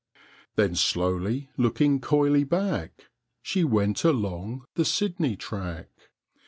Then slowly, looking coyly back, She went along the Sydney track.